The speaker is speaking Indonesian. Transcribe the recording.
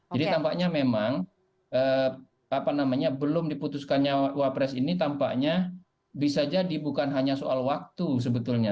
jadi tampaknya memang apa namanya belum diputuskan cawapres ini tampaknya bisa jadi bukan hanya soal waktu sebetulnya